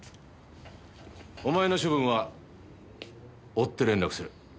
お前の処分は追って連絡する。